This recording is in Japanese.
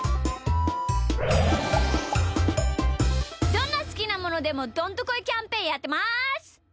どんなすきなものでもどんとこいキャンペーンやってます。